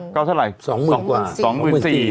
ก็เท่าไหร่๒หมื่นกว่า๒หมื่น๔